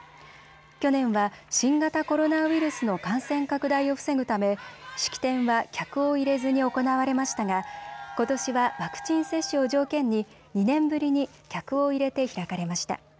去年は新型コロナウイルスの感染拡大を防ぐため式典は客を入れずに行われましたがことしはワクチン接種を条件に２年ぶりに客を入れて開かれました。